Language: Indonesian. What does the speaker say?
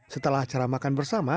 setelah acara makan bersama